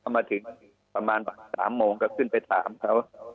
มาถึงประมาณ๓โมงก็ขึ้นไปถามเขา